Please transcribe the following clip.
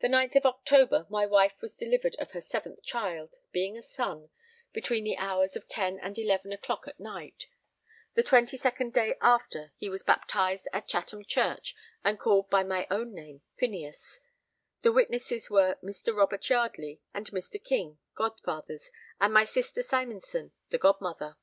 The 9th of October, my wife was delivered of her 7th child, being a son, between the hours of 10 and 11 [o']clock at night: the 22nd day after he was baptized at Chatham Church and called by mine own name, Phineas; the witnesses were Mr. Robert Yardley and Mr. King, godfathers, and my sister Simonson, the godmother.